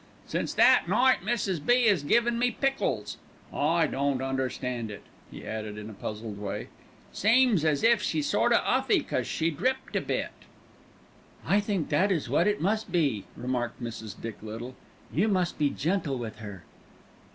Since that night Mrs. B. 'as given me pickles. I don't understand it," he added in a puzzled way; "seems as if she's sort of 'uffy cause she dripped a bit." "I think that is what it must be," remarked Mrs. Dick Little. "You must be gentle with her."